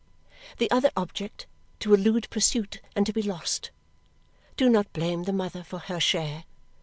The other object, to elude pursuit and to be lost. Do not blame the mother for her share.